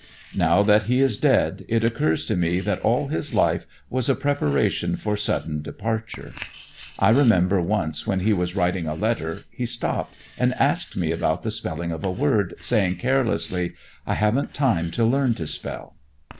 Now that he is dead it occurs to me that all his life was a preparation for sudden departure. I remember once when he was writing a letter he stopped and asked me about the spelling of a word, saying carelessly, "I haven't time to learn to spell."